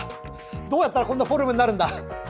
どうやったらこんなフォルムになるんだ。